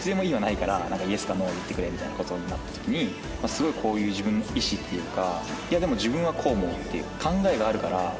すごいこういう自分の意志っていうか。